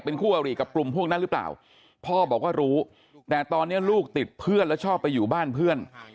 คู่อริกับกลุ่มพวกนั้นหรือเปล่าพ่อบอกว่ารู้แต่ตอนนี้ลูกติดเพื่อนแล้วชอบไปอยู่บ้านเพื่อน